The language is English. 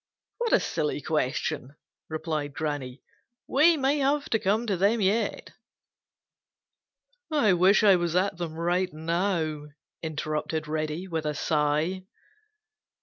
What a silly question!" replied Granny. "We may have to come to them yet." "I wish I was at them right now," interrupted Reddy with a sigh.